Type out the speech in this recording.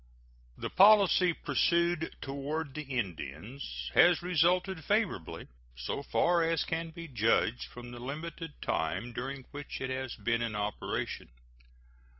The policy pursued toward the Indians has resulted favorably, so far as can be judged from the limited time during which it has been in operation.